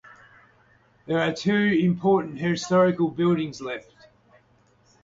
There are two important historical buildings left.